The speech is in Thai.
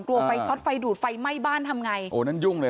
กลัวไฟช็อตไฟดูดไฟไหม้บ้านทำไง